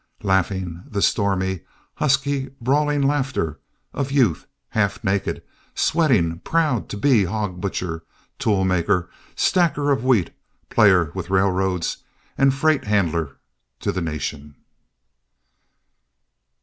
Laughing the stormy, husky, brawling laughter of Youth, half naked, sweating, proud to be Hog Butcher, Tool Maker, Stacker of Wheat, Player with Railroads and Freight Handler to the Nation.